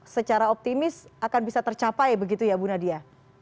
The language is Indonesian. secara optimis akan bisa tercapai begitu ya bu nadia